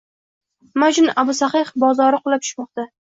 Nima uchun Abu Sahih bozori qulab tushmoqda?